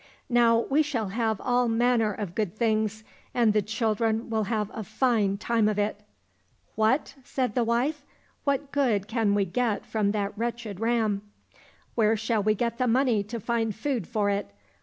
Now we shall have all manner of good things, and the children will have a fine time of it." —" What !" said the wife, " what good can we get from that wretched ram ? Where shall we get the money to find food for it